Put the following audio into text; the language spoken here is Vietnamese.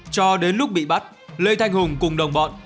cho đến lúc bị bắt lê thanh hùng cùng đồng bọn